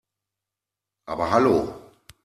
Aber hallo!